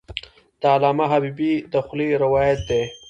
د علامه حبیبي د خولې روایت دی.